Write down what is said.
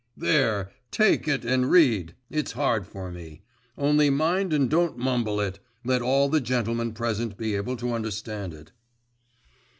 'There, take it and read! It's hard for me. Only mind and don't mumble it! Let all the gentlemen present be able to understand it.